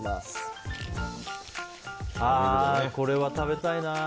これは食べたいな。